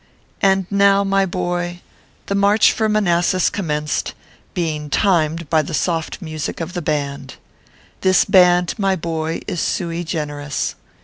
And now, my boy, the march for Manassas com menced, being timed by the soft music of the band. This band, my boy, is sui generis.